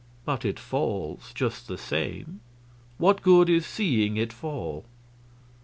"But it falls, just the same. What good is seeing it fall?"